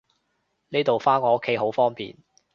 呢度返我屋企好方便